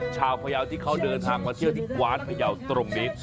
ชาวพยาวที่เขาเดินทางมาเที่ยวที่กวานพยาวตรงนี้